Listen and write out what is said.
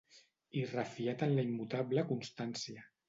I refiat en la immutable constància